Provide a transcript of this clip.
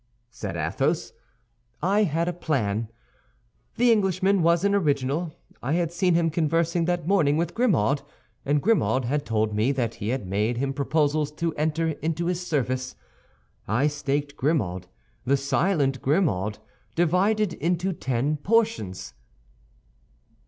said Athos; "I had a plan. The Englishman was an original; I had seen him conversing that morning with Grimaud, and Grimaud had told me that he had made him proposals to enter into his service. I staked Grimaud, the silent Grimaud, divided into ten portions."